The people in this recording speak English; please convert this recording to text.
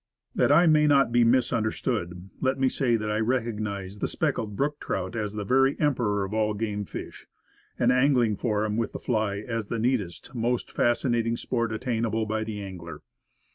That I may not be misunderstood, let me say that 5 2 Woodcraft. I recognize the speckled brook trout as the very em peror of all game fish, and angling for him with the fly as the neatest, most fascinating sport attainable by the angler.